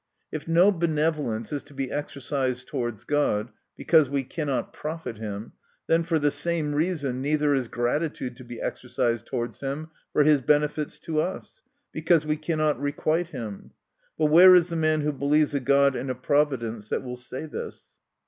If no benevolence is to be exercised towards God, because we cannot profit him, then for the same reason, neither is gratitude to be exercised towards him for his benefits to us ; because we cannot requite him. But where is the man, who believes a God and a providence, that will say this